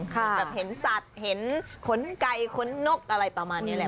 แบบเห็นสัตว์เห็นขนไก่ขนนกอะไรประมาณนี้แหละ